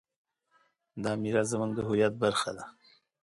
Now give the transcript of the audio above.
دا میراث زموږ د هویت برخه ده.